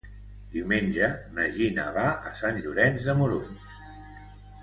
Diumenge na Gina va a Sant Llorenç de Morunys.